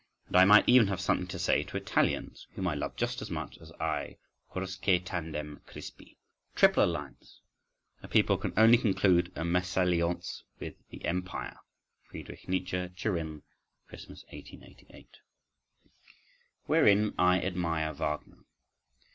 … And I might even have something to say to Italians whom I love just as much as I … Quousque tandem, Crispi … Triple alliance: a people can only conclude a mésalliance with the "Empire."… Friedrich Nietzsche. Turin, Christmas 1888. Wherein I Admire Wagner.